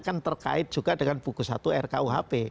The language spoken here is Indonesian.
kan terkait juga dengan buku satu rkuhp